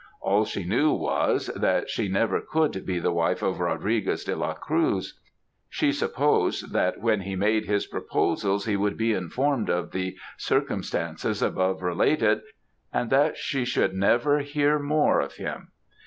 All she knew was, that she never could be the wife of Rodriguez de la Cruz. She supposed, that when he made his proposals, he would be informed of the circumstances above related, and that she should never hear more of him.